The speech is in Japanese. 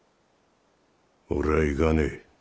俺は行かねえ。